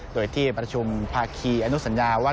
โดยที่ประชุมภาคีอนุสัญญาว่า